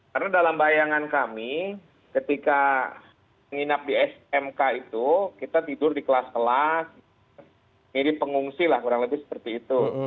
karena dalam bayangan kami ketika menginap di smk itu kita tidur di kelas kelas mirip pengungsi lah kurang lebih seperti itu